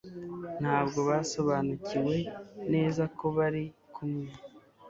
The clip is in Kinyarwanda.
Ntabwo basobanukiwe neza ko bari kumwe